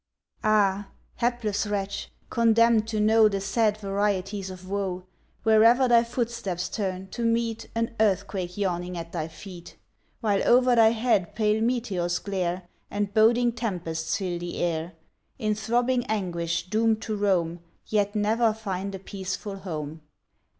Ah, hapless wretch! condemn'd to know, The sad varieties of woe; Where'er thy footsteps turn, to meet, An earthquake yawning at thy feet, While o'er thy head pale meteors glare, And boding tempests fill the air, In throbbing anguish doom'd to roam, Yet never find a peaceful home.